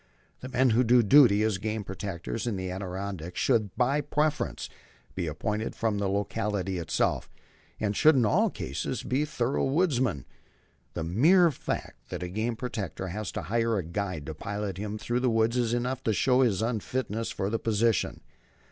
The men who do duty as game protectors in the Adirondacks should, by preference, be appointed from the locality itself, and should in all cases be thorough woodsmen. The mere fact that a game protector has to hire a guide to pilot him through the woods is enough to show his unfitness for the position.